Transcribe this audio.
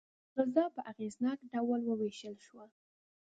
غذا په اغېزناک ډول وویشل شوه.